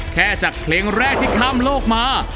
แค่จากเพลงแรกที่ข้ามโลกมา